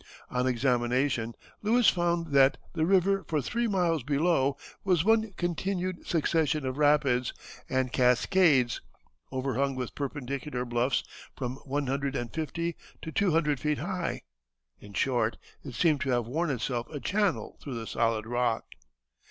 On examination Lewis found that "the river for three miles below was one continued succession of rapids and cascades, overhung with perpendicular bluffs from one hundred and fifty to two hundred feet high; in short, it seems to have worn itself a channel through the solid rock."